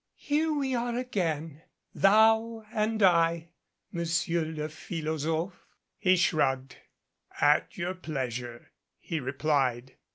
"Here we are again thou and I, Monsieur le philosopke." He shrugged. "At your pleasure," he replied.